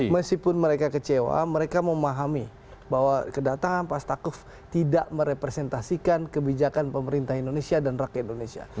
meskipun mereka kecewa mereka memahami bahwa kedatangan pak stakuf tidak merepresentasikan kebijakan pemerintah indonesia dan rakyat indonesia